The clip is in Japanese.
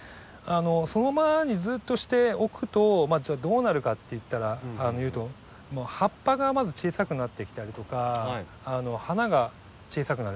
そのままにずっとしておくとどうなるかっていうともう葉っぱがまず小さくなってきたりとか花が小さくなる